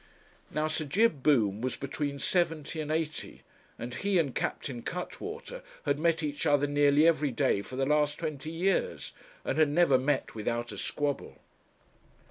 Now Sir Jib Boom was between seventy and eighty, and he and Captain Cuttwater had met each other nearly every day for the last twenty years, and had never met without a squabble.